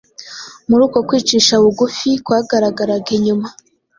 Muri uko kwicisha bugufi kwagaragaraga inyuma,